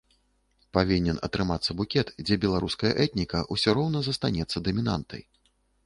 Павінен атрымацца букет, дзе беларуская этніка ўсё роўна застанецца дамінантай.